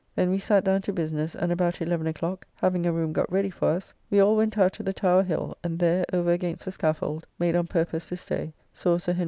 Then we sat down to business, and about 11 o'clock, having a room got ready for us, we all went out to the Tower hill; and there, over against the scaffold, made on purpose this day, saw Sir Henry Vane brought.